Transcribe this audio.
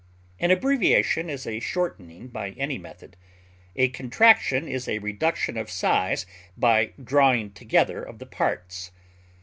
An abbreviation is a shortening by any method; a contraction is a reduction of size by the drawing together of the parts.